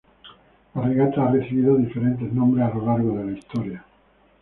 La regata ha recibido diferentes nombres a lo largo de la historia.